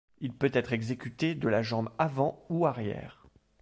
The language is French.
Il peut être exécuté de la jambe avant ou arrière.